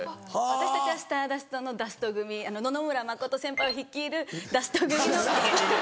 私たちはスターダストのダスト組野々村真先輩率いるダスト組。